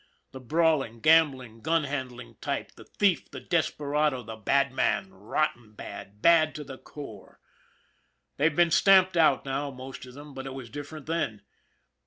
The brawling, gambling, gun handling type, the thief, the desperado, the bad man, rotten bad, bad to the core. They've been stamped out now most of them, but it was different then.